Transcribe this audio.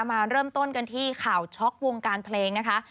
มาเริ่มต้นกันที่ข่าวช็อกวงการเพลงนะคะ